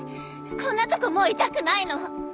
こんなとこもういたくないの。